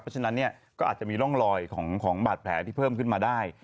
เพราะฉะนั้นเนี่ยก็อาจจะมีร่องรอยของบาดแผลที่เพิ่มขึ้นมาได้